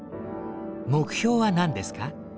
目標は何ですか？